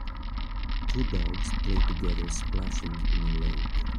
Two dogs play together splashing in a lake